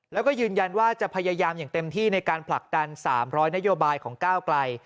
แล้วก็ยืนยันว่าจะพยายามอย่างเต็มที่ในการผลักดัน๓๐๐นโยบายของก้าวไกล